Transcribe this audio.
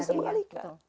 dan bisa mengalihkan